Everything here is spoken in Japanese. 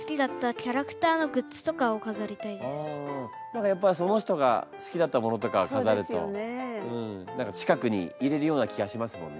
何かやっぱりその人が好きだったものとかをかざると何か近くにいれるような気がしますもんね。